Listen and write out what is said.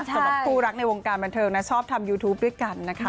สำหรับคู่รักในวงการบันเทิงนะชอบทำยูทูปด้วยกันนะคะ